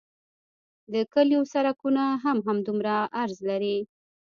د کلیو سرکونه هم همدومره عرض لري